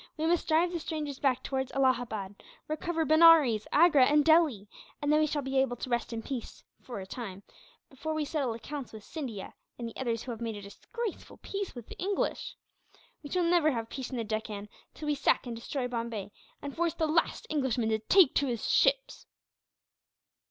We must drive the strangers back towards Allahabad; recover Benares, Agra, and Delhi; and then we shall be able to rest in peace, for a time, before we settle accounts with Scindia, and the others who have made a disgraceful peace with the English. We shall never have peace in the Deccan till we sack and destroy Bombay, and force the last Englishman to take to his ships."